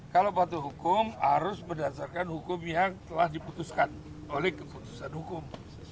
kalau patuh hukum harus berdasarkan hukum yang telah diputuskan oleh keputusan hukum